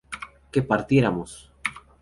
que partiéramos